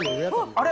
あれ？